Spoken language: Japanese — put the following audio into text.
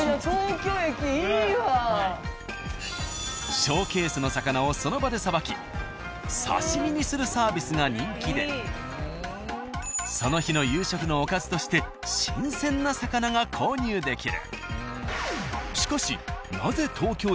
ショーケースの魚をその場でさばき刺身にするサービスが人気でその日の夕食のおかずとして新鮮な魚が購入できる。